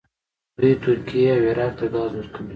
دوی ترکیې او عراق ته ګاز ورکوي.